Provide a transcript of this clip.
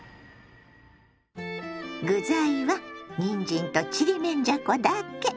具材はにんじんとちりめんじゃこだけ。